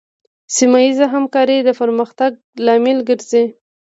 سیمه ایزه همکارۍ د پرمختګ لامل ګرځي.